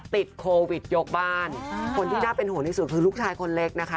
ติดโควิดยกบ้านคนที่น่าเป็นห่วงที่สุดคือลูกชายคนเล็กนะคะ